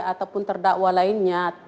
ataupun terdakwa lainnya